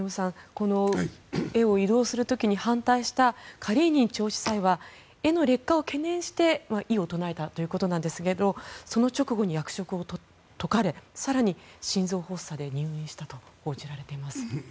この絵を移動する時に反対したカリーニン長司祭は絵の劣化を懸念して異を唱えたということなんですがその直後に役職を解かれ更に、心臓発作で入院したと報じられています。